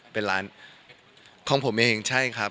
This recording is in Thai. เป็นร้านของผมเองใช่ครับ